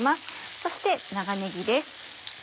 そして長ねぎです。